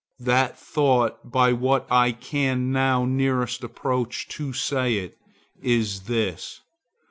That thought by what I can now nearest approach to say it, is this.